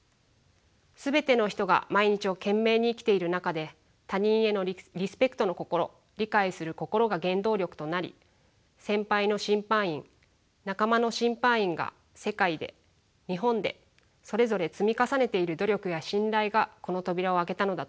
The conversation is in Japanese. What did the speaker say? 全ての人が毎日を懸命に生きている中で他人へのリスペクトの心理解する心が原動力となり先輩の審判員仲間の審判員が世界で日本でそれぞれ積み重ねている努力や信頼がこの扉を開けたのだと思います。